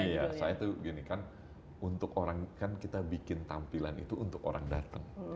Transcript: iya saya tuh gini kan untuk orang kan kita bikin tampilan itu untuk orang datang